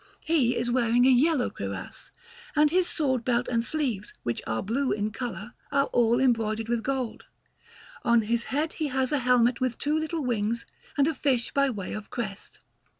He is wearing a yellow cuirass, and his sword belt and sleeves, which are blue in colour, are all embroidered with gold. On his head he has a helmet with two little wings and a fish by way of crest.